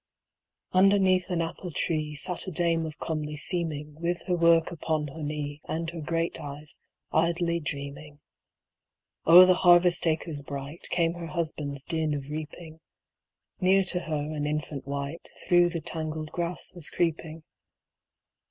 Underneath an apple tree Sat a dame of comely seeming, With her work upon her knee, And her great eyes idly dreaming. O'er the harvest acres bright, Came her husband's din of reaping; Near to her, an infant wight Through the tangled grass was creeping.